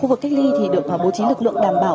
khu vực cách ly thì được bố trí lực lượng đảm bảo